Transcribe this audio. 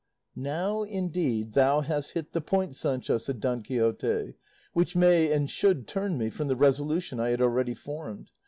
"Now indeed thou hast hit the point, Sancho," said Don Quixote, "which may and should turn me from the resolution I had already formed.